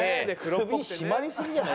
首絞まりすぎじゃない？